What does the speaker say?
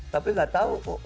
tapi gak tau kok